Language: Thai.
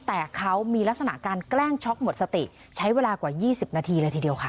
แต่เขามีลักษณะการแกล้งช็อกหมดสติใช้เวลากว่า๒๐นาทีเลยทีเดียวค่ะ